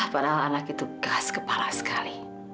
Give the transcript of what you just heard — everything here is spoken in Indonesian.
hah padahal anak itu keras kepala sekali